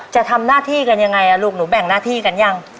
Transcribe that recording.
จะทำหน้าที่กันยังไงลูกหนูแบ่งหน้าที่กันยัง